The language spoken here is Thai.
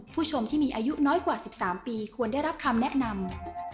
ผู้ชมที่มีอายุน้อยกว่า๑๓ปีควรได้รับคำแนะนำ